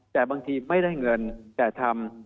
แต่บางทีไม่ได้เงินแต่ทำ